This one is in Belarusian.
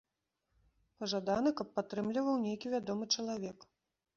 Пажадана, каб падтрымліваў нейкі вядомы чалавек.